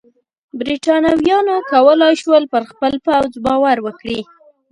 برېټانویانو کولای شول پر خپل پوځ باور وکړي.